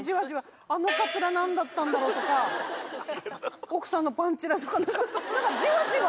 「あのカツラ何だったんだろう？」とか奥さんのパンチラとかなんかじわじわ。